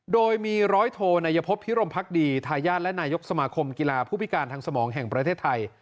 โดยมีร้อยโทนายพบพิรมพักดีทายาทและนายกสมาคมกีฬาผู้พิการทางสมองแห่งประเทศไทย